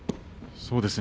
そうですね。